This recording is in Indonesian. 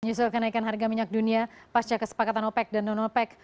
menyusulkan naikan harga minyak dunia pasca kesepakatan opec dan non opec